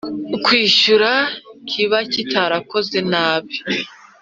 Kwishyura kiba kitarakozwe nabi